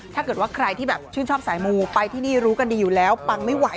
ถ้าเกิดว่าใครที่แบบชื่นชอบสายมูไปที่นี่รู้กันดีอยู่แล้วปังไม่ไหว